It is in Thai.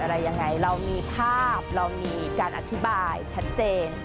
อะไรยังไงเรามีภาพเรามีการอธิบายชัดเจน